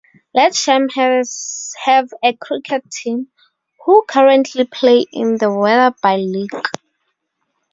Ledsham have a cricket team, who currently play in the Wetherby League.